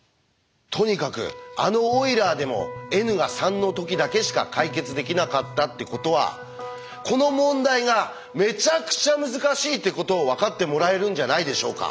とにかくあのオイラーでもｎが３の時だけしか解決できなかったってことはこの問題がめちゃくちゃ難しいってことを分かってもらえるんじゃないでしょうか。